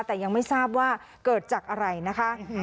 แต่ยังไม่ทราบว่าเกิดจากอะไรนะคะ